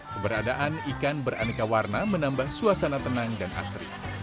keberadaan ikan beraneka warna menambah suasana tenang dan asri